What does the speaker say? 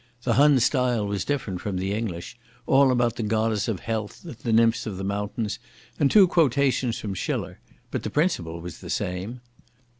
The Hun style was different from the English—all about the Goddess of Health, and the Nymphs of the Mountains, and two quotations from Schiller. But the principle was the same.